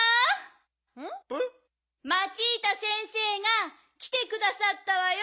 ・マチータ先生がきてくださったわよ。